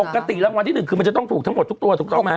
ปกติรางวัลที่๑คือมันจะต้องถูกทั้งหมดทุกตัวถูกต้องไหม